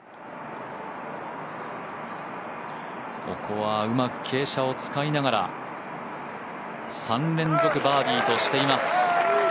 ここはうまく傾斜を使いながら、３連続バーディーとしています。